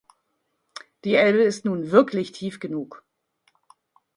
Die Elbe ist nun wirklich tief genug.